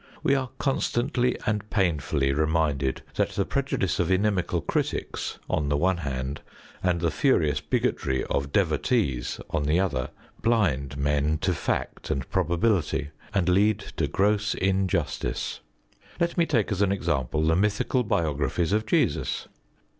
We are constantly and painfully reminded that the prejudice of inimical critics, on the one hand, and the furious bigotry of devotees, on the other, blind men to fact and probability, and lead to gross injustice. Let me take as an example the mythical biographies of Jesus.